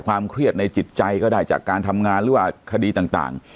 เครียดในจิตใจก็ได้จากการทำงานหรือว่าคดีต่าง